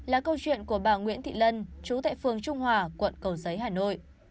bà o là câu chuyện của bà nguyễn thị lân trú tại phường trung hòa quận cầu giấy hà nội